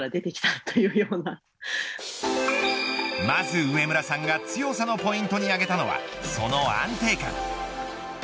まず、上村さんが強さのポイントに挙げたのはその安定感。